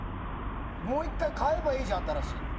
もう１回買えばいいじゃん新しいの。